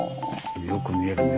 よく見えるね